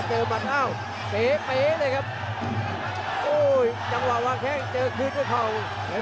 จังหวะวางแข้งวางเจอคืนกับเขา